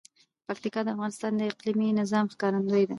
پکتیکا د افغانستان د اقلیمي نظام ښکارندوی ده.